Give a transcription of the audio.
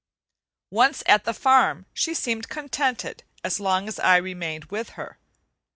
Once at the farm she seemed contented as long as I remained with her.